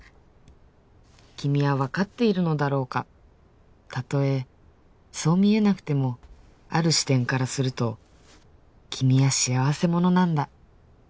君は分かっているのだろうかたとえそう見えなくてもある視点からすると君は幸せ者なんだ